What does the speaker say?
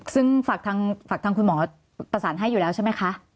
ซึ่งฝากทางคุณหมอประสานให้อยู่แล้วใช่ไหมคะ